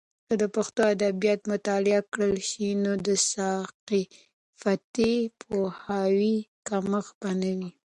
که پښتو ادبیات مطالعه کړل سي، نو د ثقافتي پوهاوي کمښت به نه وي.